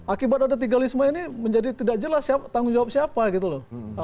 akibat ada tigalisme ini menjadi tidak jelas tanggung jawab siapa gitu loh